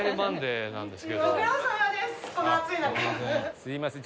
すみません